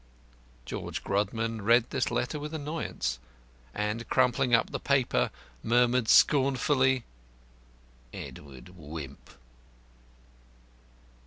George Grodman read this letter with annoyance, and crumpling up the paper, murmured scornfully, "Edward Wimp!"